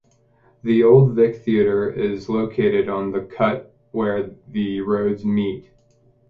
The Old Vic Theatre is located on The Cut where the roads meet.